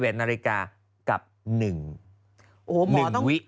๑นาฬิกากับ๑๑วิ